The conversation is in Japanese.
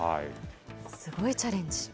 すごいチャレンジ。